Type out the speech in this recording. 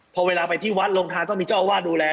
พอเวลาไปที่วัดลงทานต้องมีเจ้าอาวาสดูแล